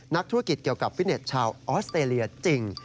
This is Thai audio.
นักธุรกิจเกี่ยวกับฟิตเน็ตชาวออสเตรเลียจริง